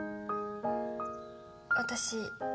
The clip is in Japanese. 私